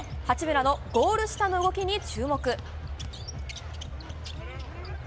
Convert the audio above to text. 八村のゴール下の動きに注目。